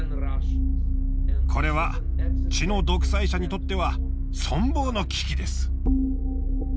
これは血の独裁者にとっては存亡の危機です。